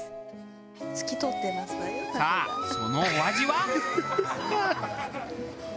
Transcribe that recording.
さあそのお味は？